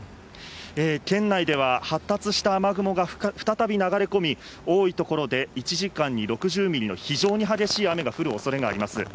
県内では発達した雨雲が再び流れ込み、多い所で１時間に６０ミリの非常に激しい雨が降るおそれがあります。